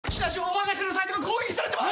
わが社のサイトが攻撃されてます！